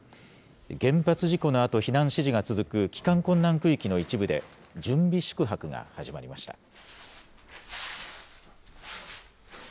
原発事故のあと、避難指示が続く帰還困難区域の一部で、準備宿泊が始まりました。